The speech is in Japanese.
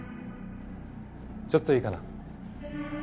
ちょっといいかな？